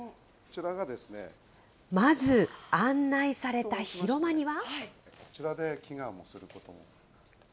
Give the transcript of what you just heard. まず案内された広間には。